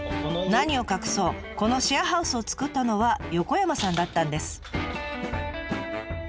何を隠そうこのシェアハウスを作ったのは横山さんだったんです。